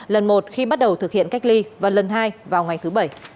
lần một khi bắt đầu thực hiện cách ly và lần hai vào ngày thứ bảy